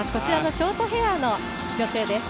ショートヘアの女性です。